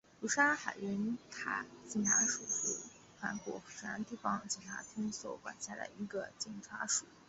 釜山海云台警察署是韩国釜山地方警察厅所管辖的一个警察署。